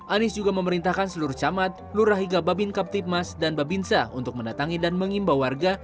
anies juga memerintahkan seluruh camat lurahiga babin kaptipmas dan babinsa untuk mendatangi dan mengimbau warga